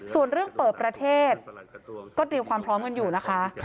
ส่วนเรื่องเปิดประเทศก็เตรียมความพร้อมกันอยู่นะคะ